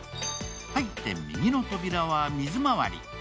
入って右の扉は水まわり。